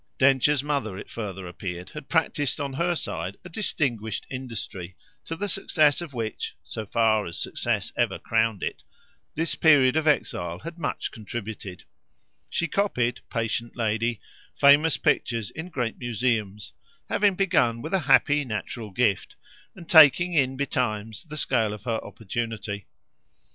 Densher's mother, it further appeared, had practised on her side a distinguished industry, to the success of which so far as success ever crowned it this period of exile had much contributed: she copied, patient lady, famous pictures in great museums, having begun with a happy natural gift and taking in betimes the scale of her opportunity.